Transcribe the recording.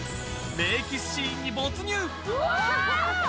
名キスシーンに没入。